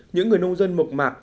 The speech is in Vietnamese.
những người nông dân mộc mạc